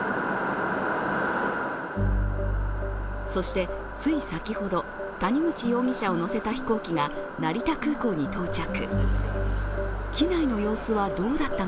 そしてつい先ほど谷口容疑者を乗せた飛行機が成田空港に到着。